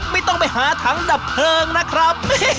ไม่ต้องไปหาถังดับเพลิงนะครับ